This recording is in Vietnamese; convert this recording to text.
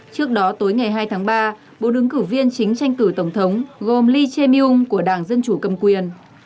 trước đó tối ngày hai tháng ba bộ đứng cử viên chính tranh cử tổng thống gồm lee chae myung của đảng dân chủ cầm quyền